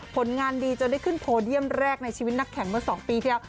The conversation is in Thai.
ผลงานดีจนได้ขึ้นโพเดียมแรกในชีวิตนักแข่งเมื่อ๒ปีที่แล้ว